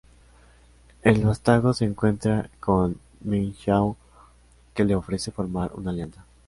El vástago se encuentra con Ming-Xiao, que le ofrece formar una alianza.